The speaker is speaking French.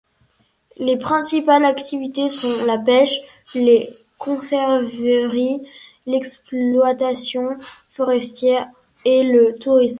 Les principales activités sont la pêche, les conserveries, l'exploitation forestière et le tourisme.